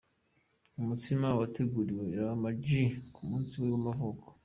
Umutsima wateguriwe Lam G ku munsi we w'amavuko.